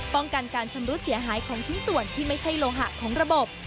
ป้องกันการชำรุดเสียหายของชิ้นส่วนที่ไม่ใช่โลหะของระบบ